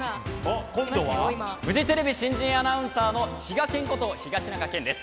フジテレビ新人アナウンサーのヒガケンこと東中健です。